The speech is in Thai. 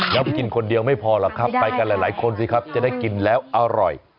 แล้วไปกินคนเดียวไม่พอหรอกครับไปกันหลายคนสิครับจะได้กินแล้วอร่อย